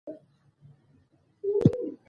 چي څه کرې هغه به رېبې